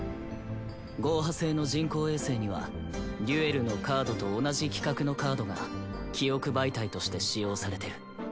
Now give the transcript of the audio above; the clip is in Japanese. ゴーハ製の人工衛星にはデュエルのカードと同じ規格のカードが記憶媒体として使用されてる。